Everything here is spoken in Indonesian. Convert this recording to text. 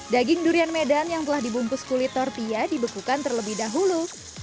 daging durian medan yang telah dibungkus kulit tortilla dibekukan terlebih dahulu